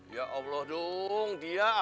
ya allah dong dia